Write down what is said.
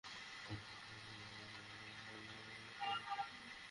গ্রামবাসীরা একটি সেতু তৈরিতে সরকারকে সাহায্য করার কারণেই মাওবাদীরা তাদের অপহরণ করে।